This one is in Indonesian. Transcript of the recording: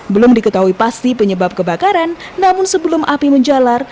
belum diketahui pasti penyebab kebakaran namun sebelum api menjalar